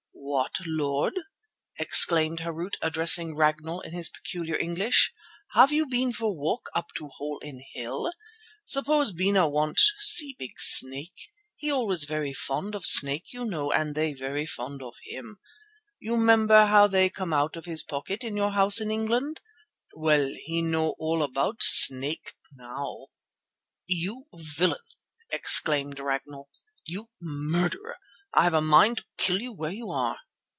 "What, Lord!" exclaimed Harût addressing Ragnall in his peculiar English, "have you been for walk up to hole in hill? Suppose Bena want see big snake. He always very fond of snake, you know, and they very fond of him. You 'member how they come out of his pocket in your house in England? Well, he know all about snake now." "You villain!" exclaimed Ragnall, "you murderer! I have a mind to kill you where you are."